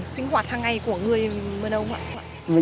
sinh hoạt hàng ngày của người mân âu